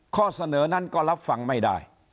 ข้อเสนอนั้นก็รับฟังไม่ได้